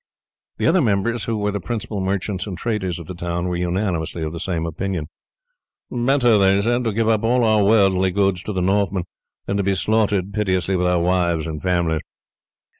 The other members, who were the principal merchants and traders of the town, were unanimously of the same opinion. "Better," they said, "to give up all our worldly goods to the Northmen than to be slaughtered pitilessly with our wives and families."